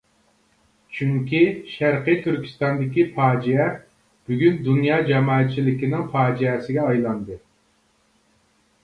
چۈنكى شەرقى تۈركىستاندىكى پاجىئە بۈگۈن دۇنيا جامائەتچىلىكىنىڭ پاجىئەسىگە ئايلاندى.